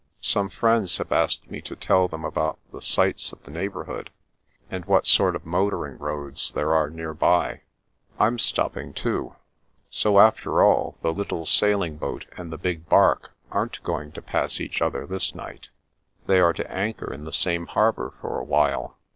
Some friends have asked me to tell them about the sights of the neighbourhood, and what sort of motoring roads there are near by." " Fm stopping, too. So, after all, the little sailing boat and the big bark aren't going to pass each other this night? They are to anchor in the same harbour for a while."